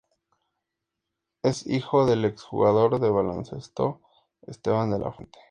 Es hijo del ex jugador de baloncesto Esteban De la Fuente.